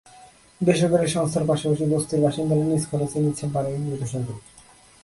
বেসরকারি সংস্থার পাশাপাশি বস্তির বাসিন্দারা নিজ খরচে নিচ্ছেন পানির বৈধ সংযোগ।